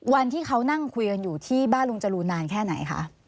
วันที่เขานั่งคุยกันอยู่ที่บ้านลุงจรูนนานแค่ไหนคะ